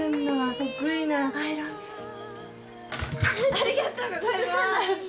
ありがとうございます！